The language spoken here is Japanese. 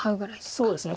そうですね